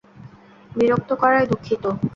বিরক্ত করায় দুঃখিত।